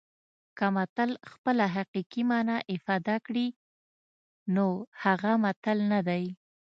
که متل خپله حقیقي مانا افاده کړي نو هغه متل نه دی